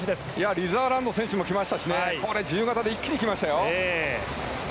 リザーランド選手も自由形で一気に来ましたよ。